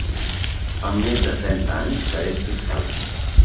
Fa més de trenta anys que és fiscal.